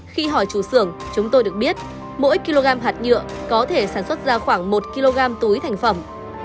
khi hỏi chủ xưởng chúng tôi được biết mỗi kg hạt nhựa có thể sản xuất ra khoảng một kg túi thành phẩm